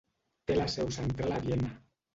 Té la seu central a Viena.